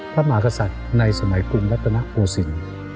พระมากษัตริย์ในสมัยกลุ่มวัฒนโศสิน